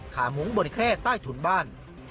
ขามุ้งบนแคร่ใต้ถุนบ้าน